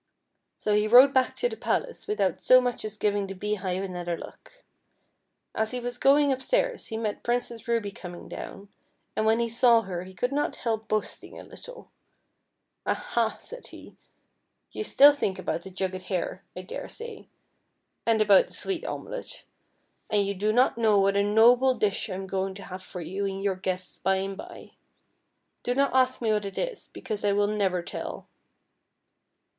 So he rode back to the palace without so much as giving the beehive another look. As he was going upstairs, he met Princess Ruby coming down, and when he saw her he could not help boasting a little. " Ah ha !" said he, "you still think about the jugged hare, I daresa} , and about the sweet omelet, and )'ou 23S FEATHER HEAD. do not know what a noble dish I am going to have for you and your guests by and by. Do not ask me what it is, because I will never tell."